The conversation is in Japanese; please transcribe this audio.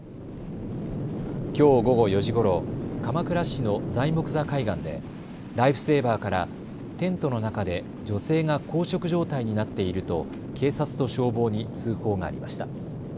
きょう午後４時ごろ、鎌倉市の材木座海岸でライフセーバーからテントの中で女性が硬直状態になっていると警察と消防に通報がありました。